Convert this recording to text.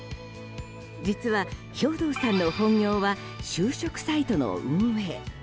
実は、兵頭さんの本業は就職サイトの運営。